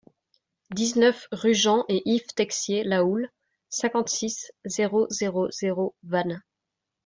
dix-neuf rue Jean et Yves Texier Lahoulle, cinquante-six, zéro zéro zéro, Vannes